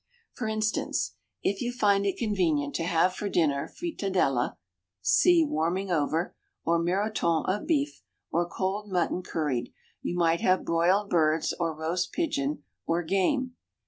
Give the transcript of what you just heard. For instance, if you find it convenient to have for dinner fritadella (see "Warming Over") or miroton of beef, or cold mutton curried, you might have broiled birds, or roast pigeon, or game.